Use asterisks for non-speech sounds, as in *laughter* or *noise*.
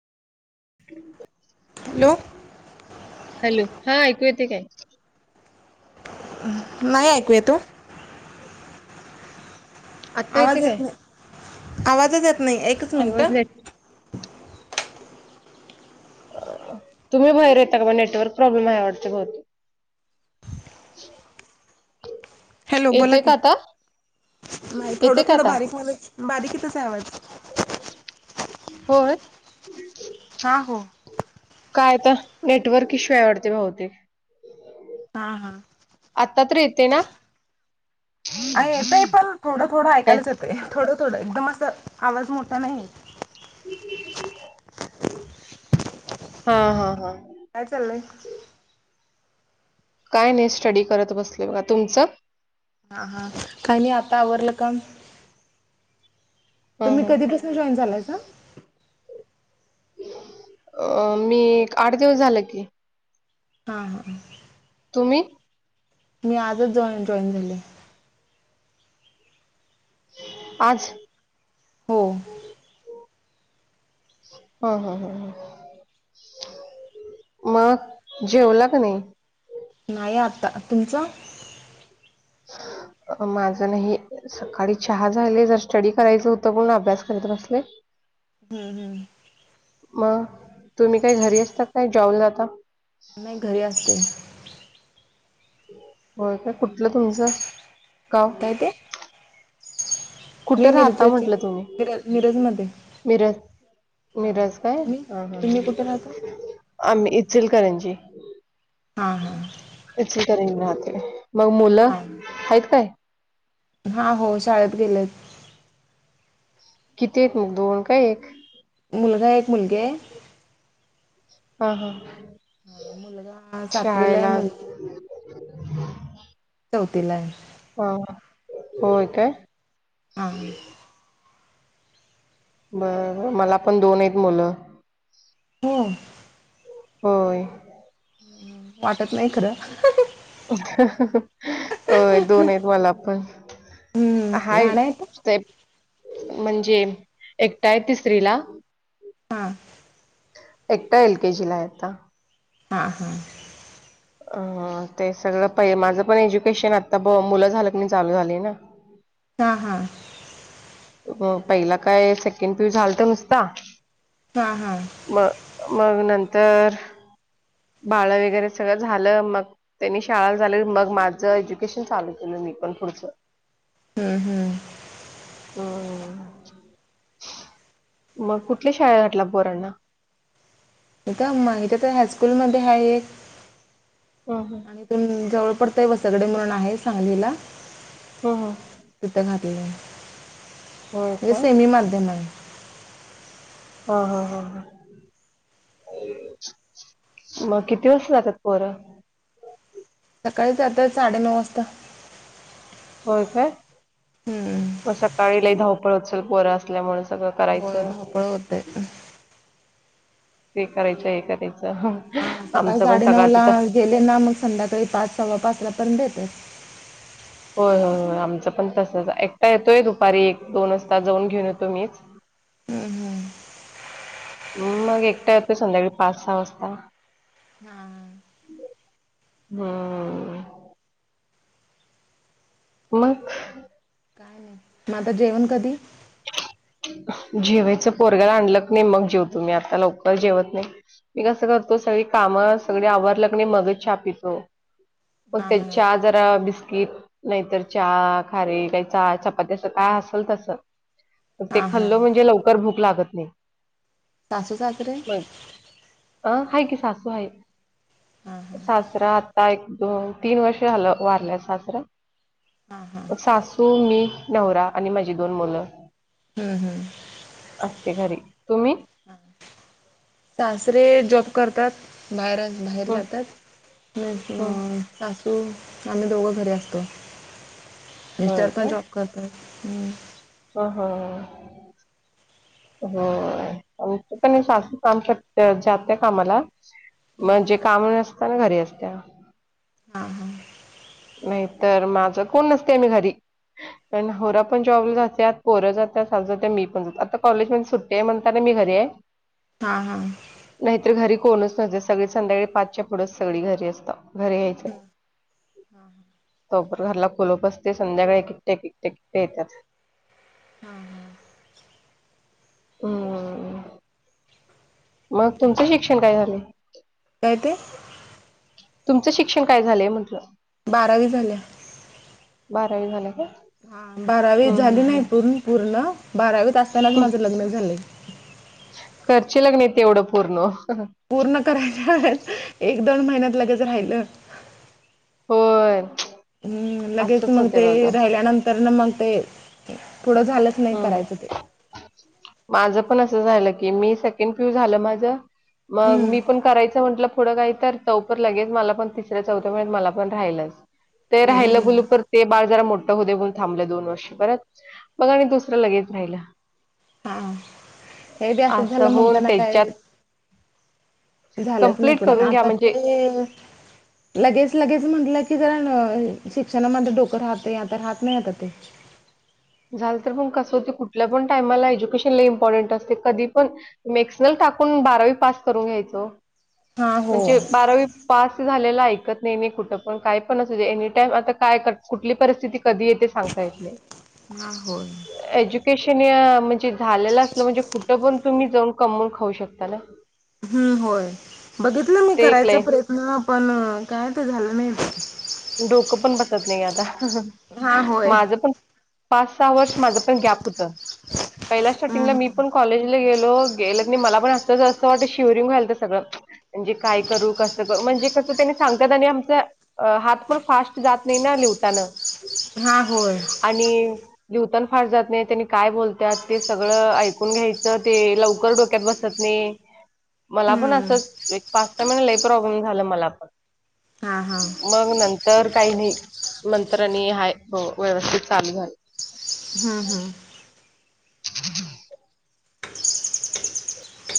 Hello. Hello, हा ऐकू येते काय? नाही ऐकू येत ओ. आत्ता येते आवाज काय येत नाही, आवाजच येत नाही एक *unintelligible* तुम्ही बाहेर यता का म नेटवर्क प्रॉब्लेम आहे वाटत बहुत *inaudible* हॅलो बोला येते की का आता नाही थोडं येते का थोडं आता बारीक म बारीक तचा आहे आवाज. होय? हा हो. काय आता, नेटवर्क इश्यू आहे वाढतं बहुतेक. हा हा आत्ता तर येते ना? अ येतय पण, थोडं थोडं ऐकायलाच येतं थोडं थोडं एकदम असं आवाज मोठा नाही. हा हा हा. काय चाललंय? काय नाही, स्टडी करत बसले बघा. तुमचं? हा हा काय नाही आता आवरलं काम. हा तुम्ही हा कधीपसून जॉईन झालायसा? अ मी एक आठ दिवस झालं की. हा हा. तुम्ही? मी आजच जॉन जॉईन झाले. आज? हो हा हा हा ह. मग, जेवला का नाही? नाही आता. तुमचं? अ माझं ना हे सकाळी चहा झाले, जर स्टडी करायचं होतं पण अभ्यास करत बसले. हम्. मग, तुम्ही काही घरी असता काय जॉब ला जाता? नाही घरी असते. होय काय, कुठलं तुमचं गाव? काय ते? मी कुठे राहता मिरजची म्हंटलं, तुम्ही. मिरज मिरजमध्ये मिरज. हा मिरज काय. तुम्ही हा हा तुम्ही कुठे राहता ह. आम्ही इचलकरंजी. हा हा. इचलकरंजी राहते. मग मुलं, हा हायत काय? हा हो, शाळेत गेलेत. किती आहेत मग दोन काय एक? मुलगा एक मुलगी आहे. हा हा. हा मुलगा सातवीलाय, मुलगी चौथीला आहे. हा हा. होय काय? हां. बर, मला पण दोन आहेत मुलं. हो? होय वाटत नाही खरं अ दोन आहेत मला पण. हम्म हाय लहान आहेत ते म्हणजे एकटाय तिसरी ला, हा एकटा एल केे जी ला आहे आता हां हां अ ते सगळं पहि माझं पण एज्युकेशन आता ब मुलं झालं की चालू झाली ना हां हा पहिला काय सेकंड पी यु झालत नुसता. हा हा मग मग नंतर बाळ वगैरे सगळं झालं मग त्यांनी शाळा चाले मग माझं एज्युकेशन चालू केलं मी पण पुढचं. हम्म हम् हम् मग कुठल्या शाळा घातल्या पोरांना एेत मा इ त्या तर हायस्कूलमध्ये आहे एक हा हा आणि तुम जवळ पडतय वसगडे म्हणून आहे सांगलीला हं हं तिथं घातलय, होय हे काय? सेमी माध्यम आहे. हा हा हा ह मग किती वाजता जातात पोरं? सकाळी जात्यात साडे नऊ वाजता. होय काय? हम्म मग सकाळीला धावपळ असल पोरं असल्यामुळं होय धावपळ होतंय ते करायचं एखाद्याचं हा सकाळी साडे नऊ ला गेले ना, मग संध्याकाळी पाच सव्वा पाच ला पर्यंत येतात. होय होय होय आमचं पण तसच आहे, एकटा येतोय दुपारी एक दोन वाजता जाऊन घेऊन येतो मीच. हम्म हम्म मग एकटा येतोय संध्याकाळी पाच -सहा वाजता हा हम्म मग काय‌ नाही. म आता जेवण कधी? जेवायचं पोरग्याला आणलं की नाही मग जेवतो मीआता लवकरल जेवत नाही. मी कसं करतो सगळी कामं सगळे आवारल कणी मगच चहा पितो. मग हा ते हा चात् जरा बिस्किट नाहीतर चा खारीे, काही चा चपाती असं काय असेल तसं ते हा हा खल्लो म्हणजे लवकर भूक लागत नाही. सासू -सासरे? अह हाय की सासू हाय हा हा सास् सरा आता एक दोन -तीन वर्ष झालं वारल्यात सासरा हा हा म सासू सु, मी, नवरा आणि माझी दोन मुलं. हम्म हम्म असते घरी तुम्ही सासरे जप करत्यात. बाहेर बाहेर हं, जातात. हं. सासू, आम्ही दोघं घरी असतो, होय मिस्टर पण जॉब करत ह ह ह हो आच पण असस् काम करत जात कामाला हम्म म्हणजे हम्म काम न असता ना घरी असत. हा हा नाही तरर माझं कोण नसते आम्ही घरी पण होरा पण जॉबला जाते पोर जात सा जात्या मी पण जातो आता कॉलेजमध्येध्ये सुट्टी आहे म्हणता मी घरी आहे. हा हा नाहीतर घरी कोणच नव्हते सगळी संध्याकाळी पाचच्या पुढेच सगळी घरी असतात घरी यायच. हा ह सपर घरला खुलप असते संध्याकाळी एककट्या एकट्याट्या येतात. हम ह हम्म मग तुमचं शिक्षण काय झालं. काय ते तुमचं शिक्षण काय झालंय म्हटलं. बारावी झाल्या बारावी झालं का? हा बारावी हम्म झाली हम्म नाही हम्म. प पूर्ण बारावीत असतानाच माझं लग्न झालं. खर्चे लग् नाहीत एवढं पूर्ण पूर्ण करायला एक दोन महिन्यात लगेच राहिलं. होय हम्म लगेच असंच मग होतंय ते बघा. राहिल्यानंतर तर ना मग ते पुढं झालं. हम् माझ पण असं झालं की मी सेकंड फ्यू झालं माझ. मग हम्म मी पण करायचं म्हंटलं. थोडं काही तर चौप लगेच मला पण तिसऱ्या चौथ्या मला पण राहिलंच ते हम्म राहिलं हम्म बुलूपर ते बाळ जरा मोठं हो देऊ थांबलं दोन वर्षे परत मग आणि दुसरं लगेच राहिला. हा हे ते असच असं झालं होऊन म्हणताना काय? त्याच्यात झालंच नाही कंप्लीट पण करून घ्या आता म्हणजे ते लगेच लगेच म्हंटलं की जरा शिक्षणामध्ये डोकं राहातता राहात नाही आता ते झालं तर पण कस होतते कुठल्या पण टायमाला एज्युकेशनला इम्पॉर्टंट असते कधी पण मेक्सनल टाकून बारावी पास करून घ्यायच हा हो म्हणजे बारावी पास झालेला ऐकत नाही नाही कुठं पण काय पण असू एनीटाइम आता काय कुठली परिस्थिती कधी येते सांगता येत नाही. ह हो एज्युकेशन या म्हणजे झालेलं असलं म्हणजे कुठं पण तुम्ही जाऊन कमवून खाऊ शकता ना हम्म होय बघितलं मी ते एक करायचा लय प्रयत्न पण काय ते झालं नाही. डोकं पण बसत नाही ग आता हा होय माझं पण पाच सहा वर्ष माझं पण गॅप होत पहिला स्टार्टिंगला हम्म मी पण हम्म कॉलेजला गेलो गेलत नाही मला पण असं असं वाटत शिवररिंग घायलं सगळं म्हणजे काय करू कसं कर म्हणजे कसं त्याने सांगतात आणि आमच हात. पण फास्ट जात नाही ना लिवताना हा होय आणि लिहवतान फार जात नाही त्यांनी काय बोलतात ते सगळं ऐकून घ्यायचं ते लवकर डोक्यात बसत. नाही मला पण हम्म असंच पाच टय महिने लई प्रॉब्लेम झालं मला पण हा हा मग नंतर काही नाही मंत्रनी हाय व्यवस्थित चालू झालं. हम्म हम्म हज